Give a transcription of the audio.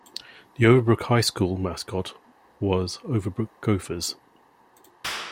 The Overbrook High School mascot was Overbrook Gophers.